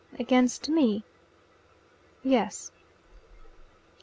"Against me?" "Yes."